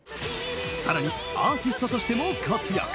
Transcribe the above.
更にアーティストとしても活躍。